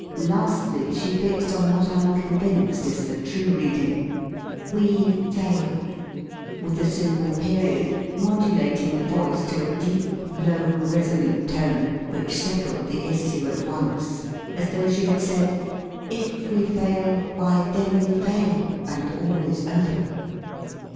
Lastly, she fixed on what I am convinced is the true reading 'we fail.' with the simple period, modulating the voice to a deep, low, resolute 62 STUDY IN INFLECTION tone which settled the issue at once, as though she had said: 'If we fail, why then we fail, and all is over.'